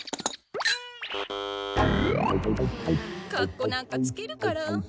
かっこなんかつけるから。